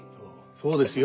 そうですよ。